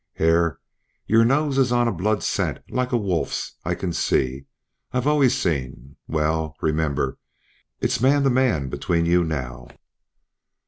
"Hare, your nose is on a blood scent, like a wolf's. I can see I've always seen well, remember, it's man to man between you now."